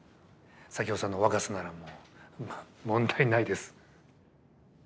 左京さんの若さなら問題ないです。